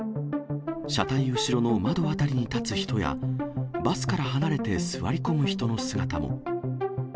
車体後ろの窓辺りに立つ人や、バスから離れて座り込む人の姿も。